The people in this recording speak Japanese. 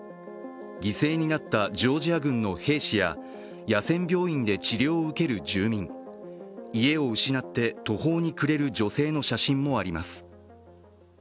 犠牲になったジョージア軍の兵士や野戦病院で治療を受ける住民、家を失って途方に暮れる女性の写真もあります。